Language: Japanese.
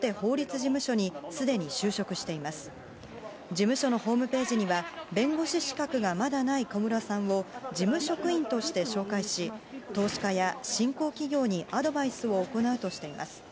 事務所のホームページには弁護士資格がまだない小室さんを事務職員として紹介し投資家や新興企業にアドバイスを行うとしています。